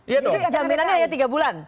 jadi jaminannya hanya tiga bulan